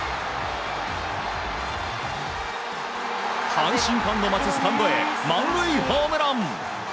阪神ファンの待つスタンドへ満塁ホームラン！